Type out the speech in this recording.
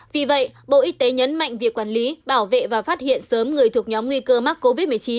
vì vậy bộ y tế nhấn mạnh việc quản lý bảo vệ và phát hiện sớm người thuộc nhóm nguy cơ mắc covid một mươi chín